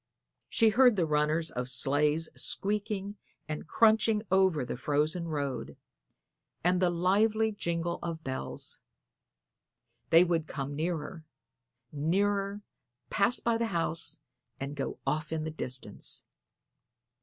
She heard the runners of sleighs squeaking and crunching over the frozen road, and the lively jingle of bells. They would come nearer, nearer, pass by the house, and go off in the distance.